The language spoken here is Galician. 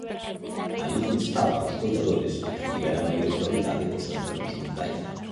Alí instaba aos coidadores a que tiveran maior suavidade cos enfermos mentais.